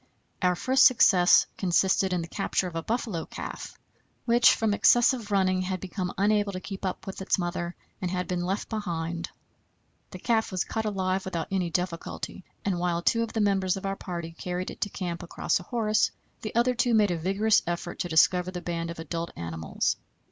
Our first success consisted in the capture of a buffalo calf, which from excessive running had become unable to keep up with its mother, and had been left behind. The calf was caught alive without any difficulty, and while two of the members of our party carried it to camp across a horse, the other two made a vigorous effort to discover the band of adult animals.